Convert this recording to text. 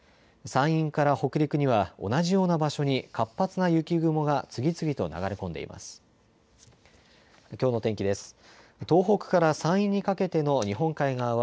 山陰から北陸には同じような場所に活発な雪雲が次々と流れ込んでいます。